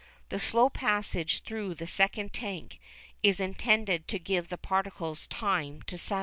The slow passage through the second tank is intended to give the particles time to settle.